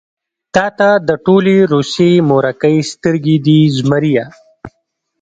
تاته د ټولې روسيې مورکۍ سترګې دي زمريه.